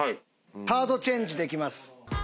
カードチェンジできます。